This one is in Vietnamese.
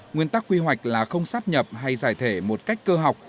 nguyên tắc quy hoạch là không sắp nhập hay giải thể một cách cơ học